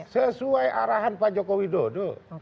sesuai arahan pak jokowi dodo